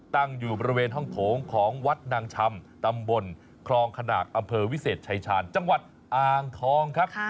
ตั้งอยู่บริเวณห้องโถงของวัดนางชำตำบลคลองขนากอำเภอวิเศษชายชาญจังหวัดอ่างทองครับ